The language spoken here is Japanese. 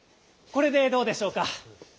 これでどうでしょうか？